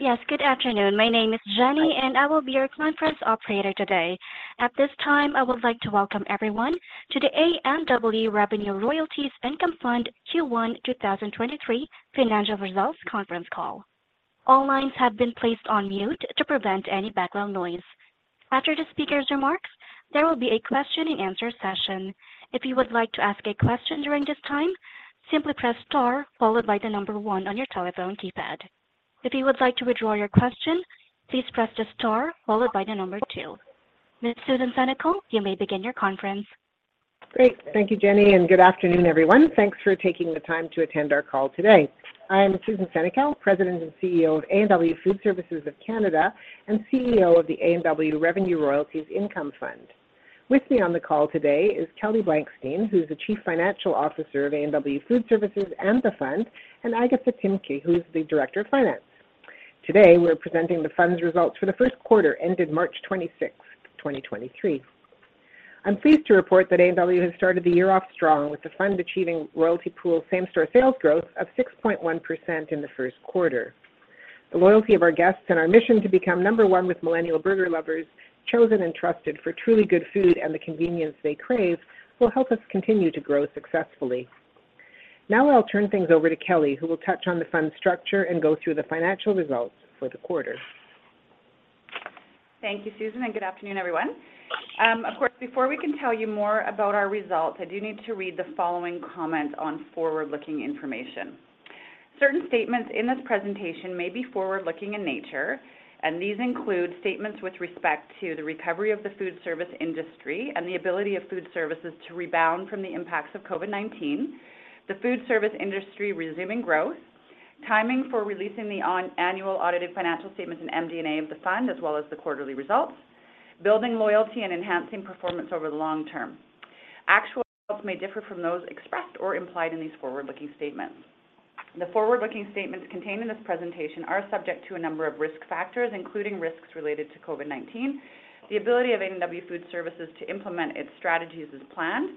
Yes, good afternoon. My name is Jenny. I will be your conference operator today. At this time, I would like to welcome everyone to the A&W Revenue Royalties Income Fund Q1 2023 Financial Results Conference Call. All lines have been placed on mute to prevent any background noise. After the speaker's remarks, there will be a question and answer session. If you would like to ask a question during this time, simply press star followed by the number one on your telephone keypad. If you would like to withdraw your question, please press the star followed by the number two. Ms. Susan Senecal, you may begin your conference. Great. Thank you, Jenny, good afternoon, everyone. Thanks for taking the time to attend our call today. I am Susan Senecal, President and CEO of A&W Food Services of Canada and CEO of the A&W Revenue Royalties Income Fund. With me on the call today is Kelly Blankstein, who is the Chief Financial Officer of A&W Food Services and the Fund, and Agatha Tymke, who is the Director of Finance. Today, we're presenting the Fund's results for the first quarter ended March 26, 2023. I'm pleased to report that A&W has started the year off strong, with the Fund achieving royalty pool same-store sales growth of 6.1% in the first quarter. The loyalty of our guests and our mission to become number one with millennial burger lovers, chosen and trusted for truly good food and the convenience they crave, will help us continue to grow successfully. Now I'll turn things over to Kelly, who will touch on the Fund's structure and go through the financial results for the quarter. Thank you, Susan. Good afternoon, everyone. Of course, before we can tell you more about our results, I do need to read the following comment on forward-looking information. Certain statements in this presentation may be forward-looking in nature. These include statements with respect to the recovery of the food service industry and the ability of food services to rebound from the impacts of COVID-19, the food service industry resuming growth, timing for releasing the annual audited financial statements and MD&A of the Fund, as well as the quarterly results, building loyalty and enhancing performance over the long term. Actual results may differ from those expressed or implied in these forward-looking statements. The forward-looking statements contained in this presentation are subject to a number of risk factors, including risks related to COVID-19, the ability of A&W Food Services to implement its strategies as planned,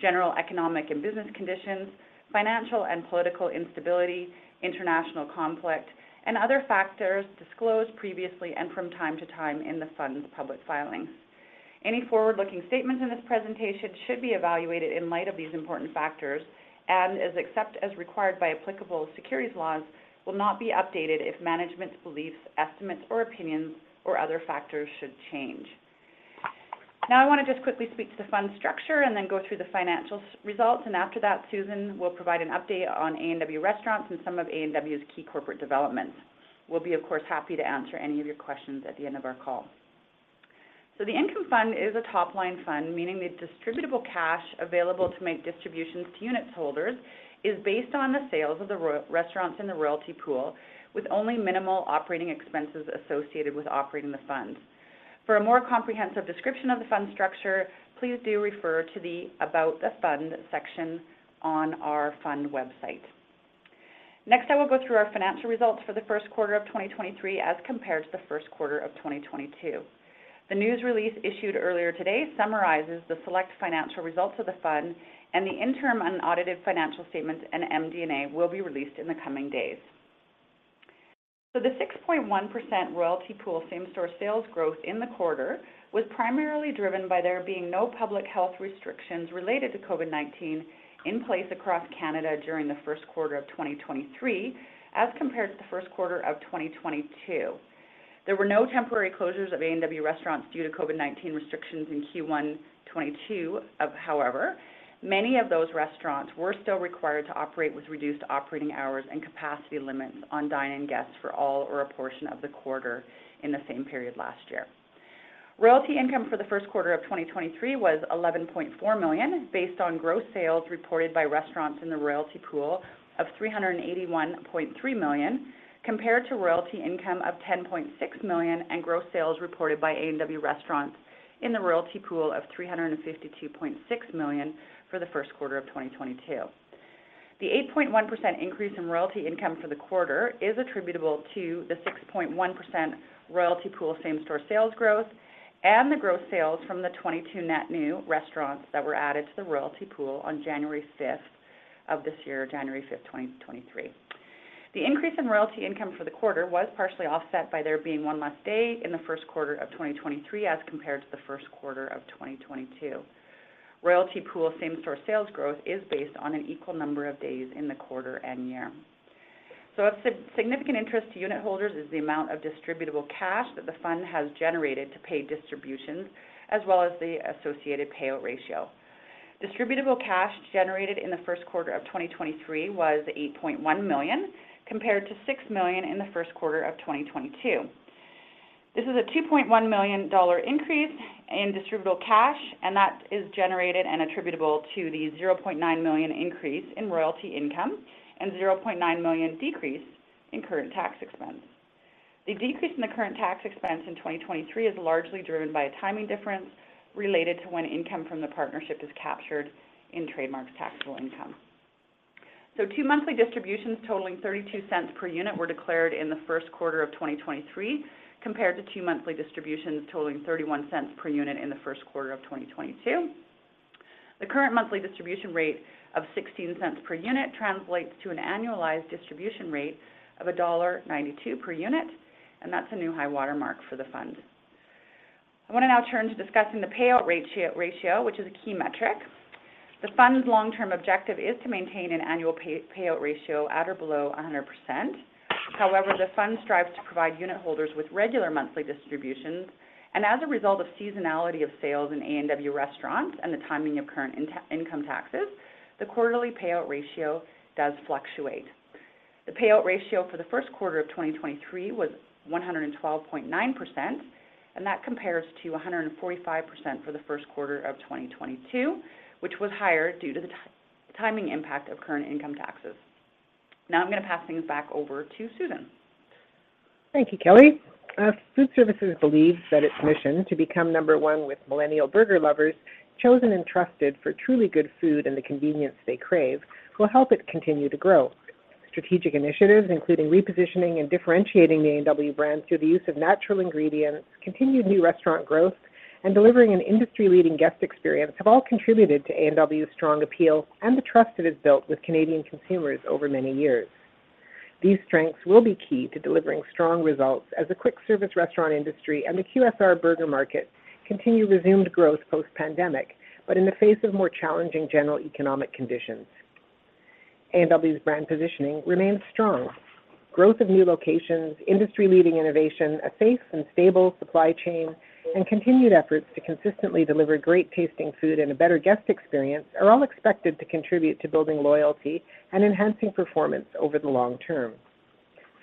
general economic and business conditions, financial and political instability, international conflict, and other factors disclosed previously and from time to time in the Fund's public filings. Any forward-looking statements in this presentation should be evaluated in light of these important factors and, as except as required by applicable securities laws, will not be updated if management's beliefs, estimates, or opinions or other factors should change. Now, I want to just quickly speak to the Fund's structure and then go through the financial results, and after that, Susan will provide an update on A&W Restaurants and some of A&W's key corporate developments. We'll be, of course, happy to answer any of your questions at the end of our call. The Income Fund is a top-line fund, meaning the distributable cash available to make distributions to unitholders is based on the sales of the restaurants in the royalty pool, with only minimal operating expenses associated with operating the Fund. For a more comprehensive description of the Fund's structure, please do refer to the About the Fund section on our Fund website. Next, I will go through our financial results for the first quarter of 2023 as compared to the first quarter of 2022. The news release issued earlier today summarizes the select financial results of the Fund, and the interim unaudited financial statements and MD&A will be released in the coming days. The 6.1% royalty pool same-store sales growth in the quarter was primarily driven by there being no public health restrictions related to COVID-19 in place across Canada during the first quarter of 2023 as compared to the first quarter of 2022. There were no temporary closures of A&W restaurants due to COVID-19 restrictions in Q1 2022. However, many of those restaurants were still required to operate with reduced operating hours and capacity limits on dine-in guests for all or a portion of the quarter in the same period last year. Royalty income for the first quarter of 2023 was 11.4 million, based on gross sales reported by restaurants in the royalty pool of 381.3 million, compared to Royalty income of 10.6 million and gross sales reported by A&W restaurants in the royalty pool of 352.6 million for the first quarter of 2022. The 8.1% increase in Royalty income for the quarter is attributable to the 6.1% royalty pool same-store sales growth and the gross sales from the 22 net new restaurants that were added to the royalty pool on January 5th of this year, January 5, 2023. The increase in Royalty income for the quarter was partially offset by there being one less day in the first quarter of 2023 as compared to the first quarter of 2022. Royalty pool same-store sales growth is based on an equal number of days in the quarter and year. Of significant interest to unitholders is the amount of distributable cash that the Fund has generated to pay distributions as well as the associated payout ratio. Distributable cash generated in the first quarter of 2023 was 8.1 million, compared to 6 million in the first quarter of 2022. This is a 2.1 million dollar increase in distributable cash, and that is generated and attributable to the 0.9 million increase in royalty income and 0.9 million decrease in current tax expense. The decrease in the current tax expense in 2023 is largely driven by a timing difference related to when income from the partnership is captured in Trademark's taxable income. Two monthly distributions totaling 0.32 per unit were declared in the first quarter of 2023, compared to two monthly distributions totaling 0.31 per unit in the first quarter of 2022. The current monthly distribution rate of 0.16 per unit translates to an annualized distribution rate of dollar 1.92 per unit, and that's a new high watermark for the fund. I wanna now turn to discussing the payout ratio, which is a key metric. The fund's long-term objective is to maintain an annual payout ratio at or below 100%. However, the fund strives to provide unit holders with regular monthly distributions, and as a result of seasonality of sales in A&W Restaurants and the timing of current income taxes, the quarterly payout ratio does fluctuate. The payout ratio for the first quarter of 2023 was 112.9%, and that compares to 145% for the first quarter of 2022, which was higher due to the timing impact of current income taxes. I'm gonna pass things back over to Susan. Thank you, Kelly. Food Services believes that its mission to become number one with millennial burger lovers, chosen and trusted for truly good food and the convenience they crave, will help it continue to grow. Strategic initiatives, including repositioning and differentiating the A&W brand through the use of natural ingredients, continued new restaurant growth, and delivering an industry-leading guest experience, have all contributed to A&W's strong appeal and the trust it has built with Canadian consumers over many years. These strengths will be key to delivering strong results as the quick service restaurant industry and the QSR burger market continue resumed growth post-pandemic, but in the face of more challenging general economic conditions. A&W's brand positioning remains strong. Growth of new locations, industry-leading innovation, a safe and stable supply chain, and continued efforts to consistently deliver great-tasting food and a better guest experience are all expected to contribute to building loyalty and enhancing performance over the long term.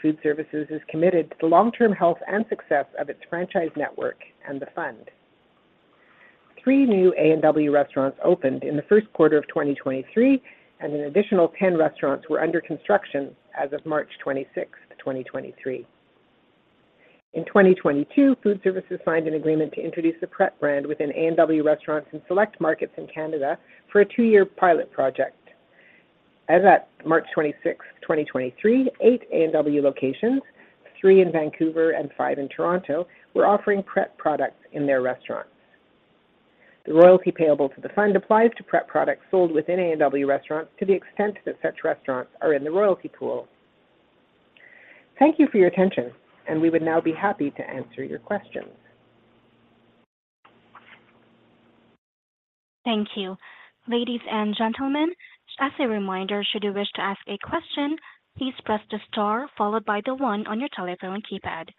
Food Services is committed to the long-term health and success of its franchise network and the fund. Three new A&W restaurants opened in the first quarter of 2023, and an additional 10 restaurants were under construction as of March 26th, 2023. In 2022, Food Services signed an agreement to introduce the Pret brand within A&W restaurants in select markets in Canada for a two-year pilot project. As at March 26th, 2023, eight A&W locations, three in Vancouver and five in Toronto, were offering Pret products in their restaurants. The royalty payable to the fund applies to Pret products sold within A&W restaurants to the extent that such restaurants are in the royalty pool. Thank you for your attention. We would now be happy to answer your questions. Thank you. Ladies and gentlemen, as a reminder, should you wish to ask a question, please press the star followed by the one on your telephone keypad.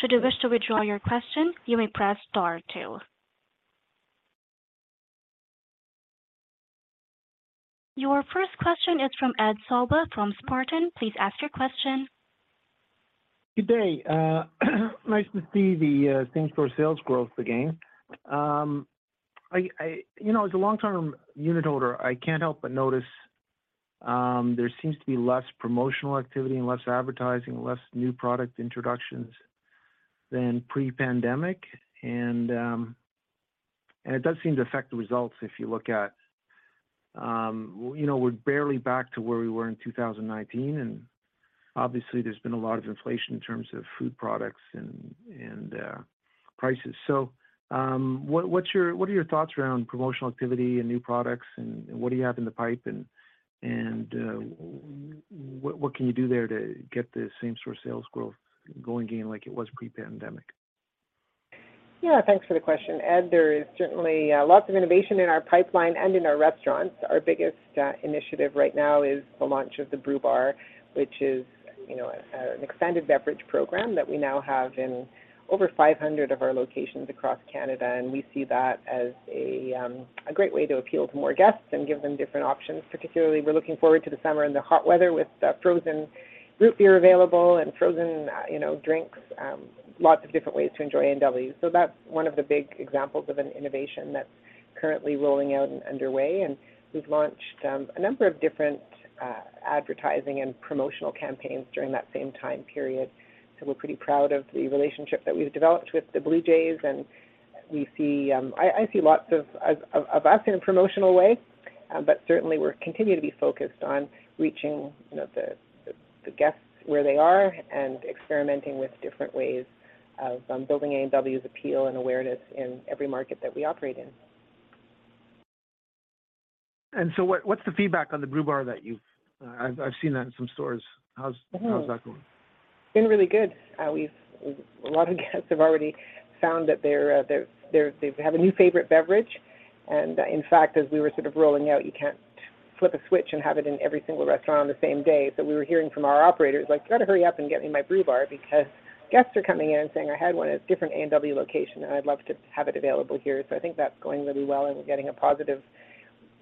Should you wish to withdraw your question, you may press star two. Your first question is from Ed Sollbach from Spartan. Please ask your question. Good day. Nice to see the same store sales growth again. You know, as a long-term unit holder, I can't help but notice, there seems to be less promotional activity and less advertising, less new product introductions than pre-pandemic, and it does seem to affect the results if you look at, you know, we're barely back to where we were in 2019, and obviously there's been a lot of inflation in terms of food products and prices. What are your thoughts around promotional activity and new products, and what do you have in the pipe, and what can you do there to get the same store sales growth going again like it was pre-pandemic? Yeah. Thanks for the question, Ed. There is certainly lots of innovation in our pipeline and in our restaurants. Our biggest initiative right now is the launch of the Brew Bar, which is, you know, an expanded beverage program that we now have in over 500 of our locations across Canada. We see that as a great way to appeal to more guests and give them different options. Particularly, we're looking forward to the summer and the hot weather with frozen root beer available and frozen, you know, drinks. Lots of different ways to enjoy A&W. That's one of the big examples of an innovation that's currently rolling out and underway. We've launched a number of different advertising and promotional campaigns during that same time period. We're pretty proud of the relationship that we've developed with the Blue Jays, and we see. I see lots of us in a promotional way, but certainly we're continue to be focused on reaching, you know, the guests where they are and experimenting with different ways of building A&W's appeal and awareness in every market that we operate in. What, what's the feedback on the Brew Bar that you've, I've seen that in some stores? Mm-hmm. How's that going? Been really good. A lot of guests have already found that they have a new favorite beverage. In fact, as we were sort of rolling out, you can't flip a switch and have it in every single restaurant on the same day. We were hearing from our operators like, you gotta hurry up and get me my Brew Bar because guests are coming in saying, I had one at a different A&W location, and I'd love to have it available here. I think that's going really well, and we're getting a positive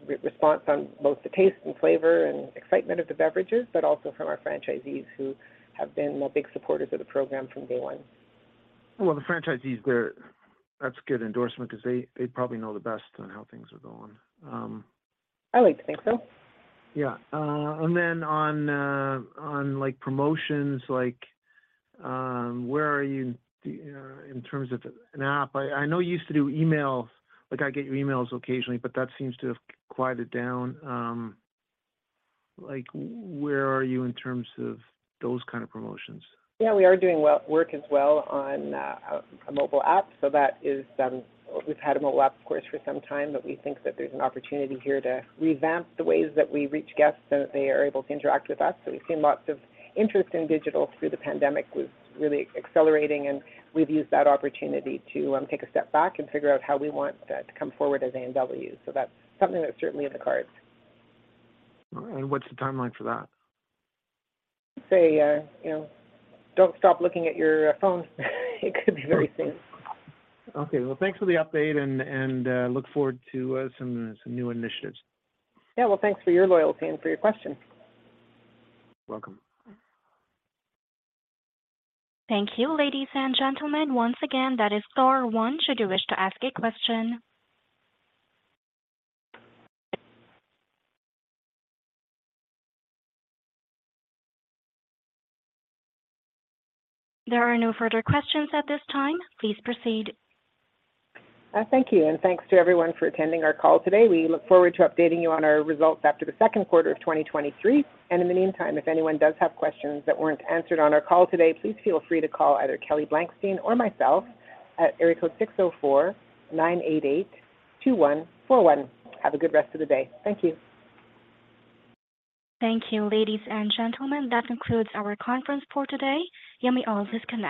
re-response on both the taste and flavor and excitement of the beverages, but also from our franchisees who have been, well, big supporters of the program from day one. Well, the franchisees, That's a good endorsement 'cause they probably know the best on how things are going. I like to think so. On, on like promotions, like, where are you in terms of an app? I know you used to do emails. Like, I get your emails occasionally, but that seems to have quieted down. Like, where are you in terms of those kind of promotions? Yeah, we are doing work as well on a mobile app, that is. We've had a mobile app of course for some time, but we think that there's an opportunity here to revamp the ways that we reach guests so that they are able to interact with us. We've seen lots of interest in digital through the pandemic was really accelerating, and we've used that opportunity to take a step back and figure out how we want to come forward as A&W. That's something that's certainly in the cards. All right. What's the timeline for that? Say, you know, don't stop looking at your phones. It could be very soon. Okay. Well, thanks for the update and look forward to some new initiatives. Yeah. Well, thanks for your loyalty and for your question. You're welcome. Thank you. Ladies and gentlemen, once again, that is star one should you wish to ask a question. There are no further questions at this time. Please proceed. Thank you, and thanks to everyone for attending our call today. We look forward to updating you on our results after the second quarter of 2023. In the meantime, if anyone does have questions that weren't answered on our call today, please feel free to call either Kelly Blankstein or myself at area code 604-988-2141. Have a good rest of the day. Thank you. Thank you. Ladies and gentlemen, that concludes our conference for today. You may all disconnect.